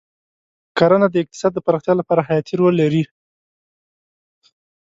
کرنه د اقتصاد د پراختیا لپاره حیاتي رول لري.